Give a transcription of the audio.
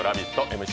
ＭＣ